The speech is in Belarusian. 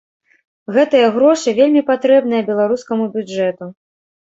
Гэтыя грошы вельмі патрэбныя беларускаму бюджэту.